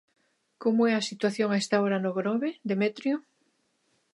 Como é a situación a esta hora no Grove, Demetrio.